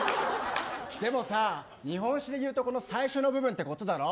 でも日本史で言うところの最初の部分ってことだろ。